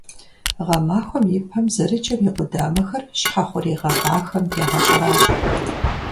Гъэмахуэм и пэм зэрыджэм и къудамэхэр щхьэ хъурей гъэгъахэм ягъэщӀэращӀэ.